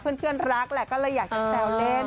เพื่อนรักแหละก็เลยอยากเกี่ยวแบบเล่น